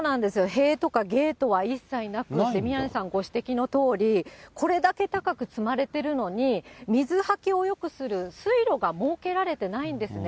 塀とかゲートは一切なくて、宮根さんご指摘のとおり、これだけ高く積まれてるのに、水はけをよくする水路が設けられてないんですね。